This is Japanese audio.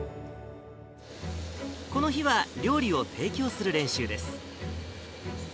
この日は料理を提供する練習です。